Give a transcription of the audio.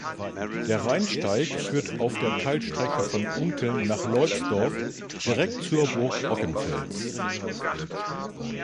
Der Rheinsteig führt auf der Teilstrecke von Unkel nach Leubsdorf direkt zur Burg Ockenfels.